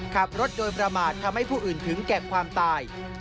ขับรถโดยประมาททำให้ผู้อื่นถึงแก่ความตาย